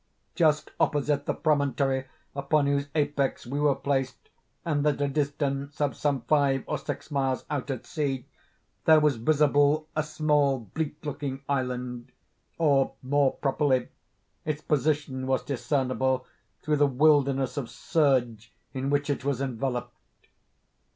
Just opposite the promontory upon whose apex we were placed, and at a distance of some five or six miles out at sea, there was visible a small, bleak looking island; or, more properly, its position was discernible through the wilderness of surge in which it was enveloped.